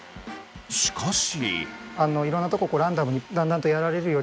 しかし。